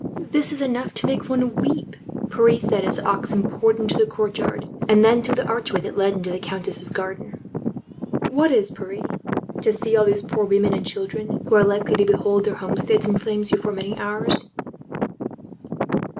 "This is enough to make one weep," Pierre said, as the oxen poured into the courtyard, and then through the archway that led to the countess's garden. "What is enough, Pierre? To see all these poor women and children, who are likely to behold their homesteads in flames, before many hours?"